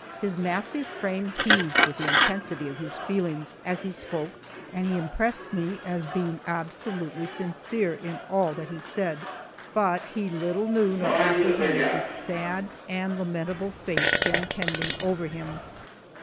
His massive frame heaved with the intensity of his feelings as he spoke and he impressed me as being absolutely sincere in all that he said. But he little knew nor apprehended the sad and lamentable fate then pending over him.